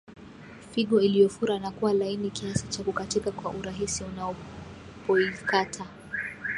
Figo iliyofura na kuwa laini kiasi cha kukatika kwa urahisi unapoikata